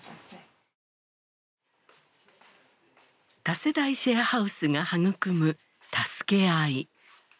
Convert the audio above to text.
多世代シェアハウスが育む助け合い。